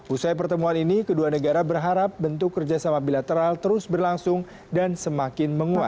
usai pertemuan ini kedua negara berharap bentuk kerjasama bilateral terus berlangsung dan semakin menguat